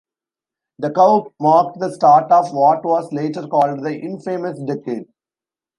The coup marked the start of what was later called the Infamous Decade.